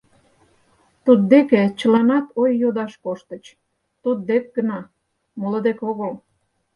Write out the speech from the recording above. Туддеке чыланат ой йодаш коштыч, туддек гына, моло дек огыл.